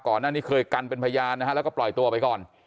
ก่อนหน้านี้เคยกันเป็นพยานนะฮะแล้วก็ปล่อยตัวไปก่อน